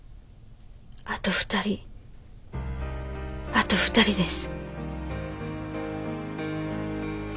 あと２人あと２人です。